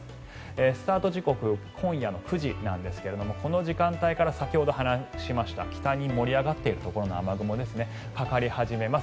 スタート時刻、今夜９時ですがこの時間帯から、先ほど話した北に盛り上がっているところの雨雲がかかり始めます。